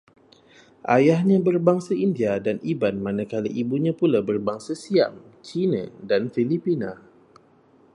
Ayahnya berbangsa India dan Iban, manakala ibunya pula berbangsa Siam, Cina dan Filipina